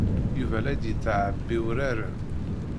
Yuba la d-yettɛebbi uraren.